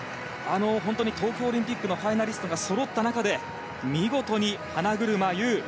本当に東京オリンピックのファイナリストがそろった中で見事に花車優